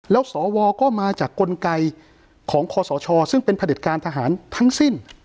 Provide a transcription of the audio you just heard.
แล้วสวก็มาจากกลไกของคศซึ่งเป็นผลิตการทหารทั้งสิ้น